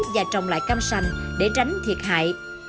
và trồng lại cam sành để tránh thiệt hại